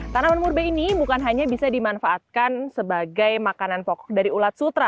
tanaman murbe ini bukan hanya bisa dimanfaatkan sebagai makanan pokok dari ulat sutra